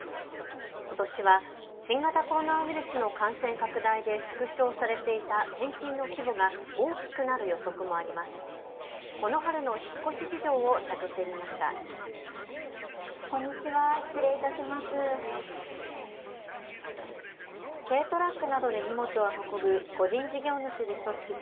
ことしは新型コロナウイルスの感染拡大で縮小されていた転勤の規模が大きくなる予測もあります。